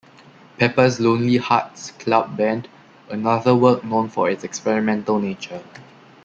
Pepper's Lonely Hearts Club Band, another work known for its experimental nature.